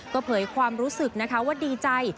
ก็เผยความรู้สึกนะคะว่าดีใจ